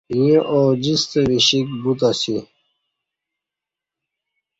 ییں اوجیستہ وشِیک بوتاسی